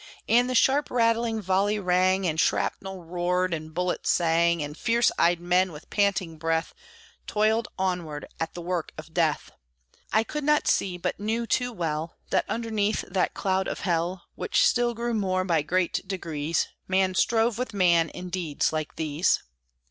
And the sharp rattling volley rang, And shrapnel roared, and bullets sang, And fierce eyed men, with panting breath, Toiled onward at the work of death. I could not see, but knew too well, That underneath that cloud of hell, Which still grew more by great degrees, Man strove with man in deeds like these.